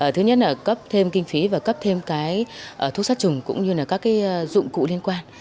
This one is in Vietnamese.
thứ nhất là cấp thêm kinh phí và cấp thêm cái thuốc sát trùng cũng như là các cái dụng cụ liên quan